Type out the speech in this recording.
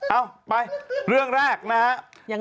เอ้าไปเรื่องแรกนะครับ